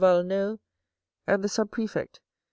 Valenod, and the sub prefect, M.